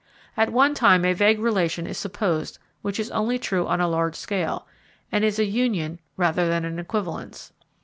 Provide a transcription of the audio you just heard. At one time a vague relation is supposed which is only true on a large scale, and is a union rather than an equivalence.